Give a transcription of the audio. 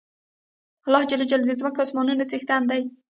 الله ج د ځمکی او اسمانونو څښتن دی